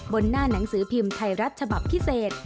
หน้าหนังสือพิมพ์ไทยรัฐฉบับพิเศษ